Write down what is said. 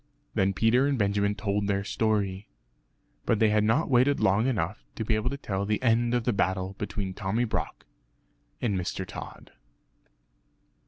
Then Peter and Benjamin told their story but they had not waited long enough to be able to tell the end of the battle between Tommy Brock and Mr. Tod.